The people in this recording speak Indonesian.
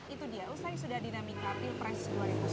itu dia usai sudah dinamika pilpres dua ribu sembilan belas